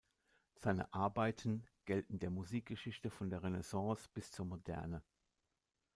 Seine Arbeiten gelten der Musikgeschichte von der Renaissance bis zur Moderne.